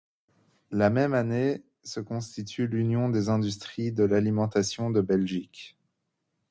La même année se constitue l’Union des industries de l’alimentation de Belgique.